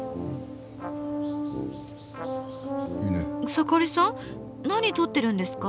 草刈さん何撮ってるんですか？